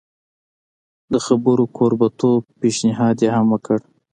د خبرو کوربه توب پېشنهاد یې هم وکړ.